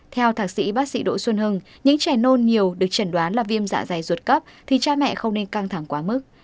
theo thạc sĩ bác sĩ đỗ xuân hưng những trẻ nôn nhiều được chẩn đoán là viêm dạ dày ruột cấp thì cha mẹ không nên căng thẳng quá mức